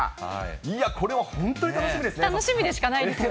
いや、これは本当に楽しみですよ